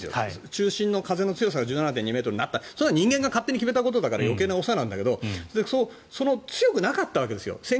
中心の風の強さが１７．２ｍになったそれは人間が勝手に決めたことだから余計なお世話なんだけど強くなかったわけですよ。